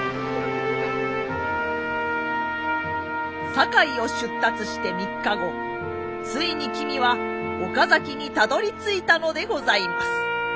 堺を出立して３日後ついに君は岡崎にたどりついたのでございます。